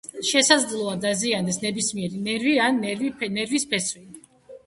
შესაძლოა დაზიანდეს ნებისმიერი ნერვი ან ნერვის ფესვი.